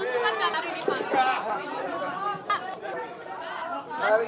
masih berusukan hari ini